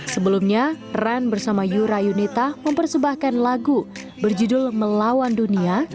sebelumnya ran bersama yura yunita mempersembahkan lagu berjudul melawan dunia